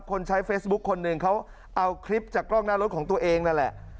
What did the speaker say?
คนใช้เฟซบุ๊คคนหนึ่งเขาเอาคลิปจากกล้องหน้ารถของตัวเองนั่นแหละ